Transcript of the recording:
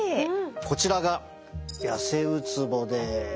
こちらがヤセウツボです。